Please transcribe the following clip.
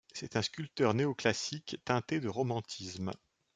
C'est un sculpteur néo-classique, teinté de romantisme.